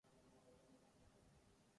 لباسِ نظم میں بالیدنِ مضمونِ عالی ہے